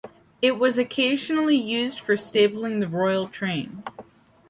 It was occasionally used for stabling the Royal Train.